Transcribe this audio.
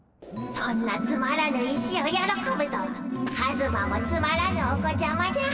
そんなつまらぬ石をよろこぶとはカズマもつまらぬお子ちゃまじゃ。